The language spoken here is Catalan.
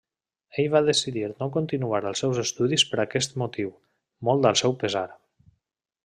Ell va decidir no continuar els seus estudis per aquest motiu, molt al seu pesar.